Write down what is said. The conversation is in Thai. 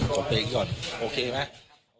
ก็ไปกันก่อนโอเคไหม